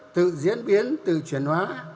tự diễn biến tự chuyển hóa